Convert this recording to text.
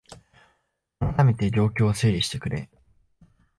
あらためて状況を整理してくれ